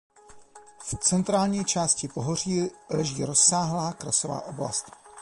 V centrální části pohoří leží rozsáhlá krasová oblast.